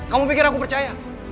kamu pikir aku percaya